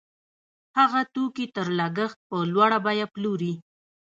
هغه توکي تر لګښت په لوړه بیه پلوري